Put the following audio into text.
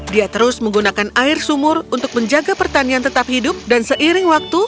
dia terus menggunakan air sumur untuk menjaga pertanian tetap hidup dan seiring waktu